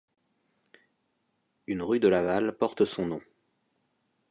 Une rue de Laval porte son nom.